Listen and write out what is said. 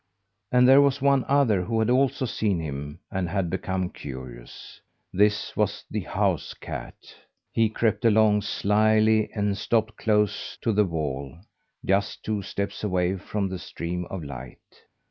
And there was one other who had also seen him and had become curious. This was the house cat. He crept along slyly and stopped close to the wall, just two steps away from the stream of light.